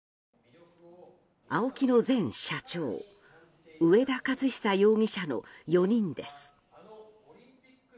ＡＯＫＩの前社長上田雄久容疑者の４人です。